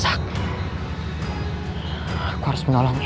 aku harus menolongnya